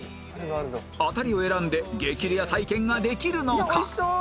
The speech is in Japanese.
アタリを選んで激レア体験ができるのか？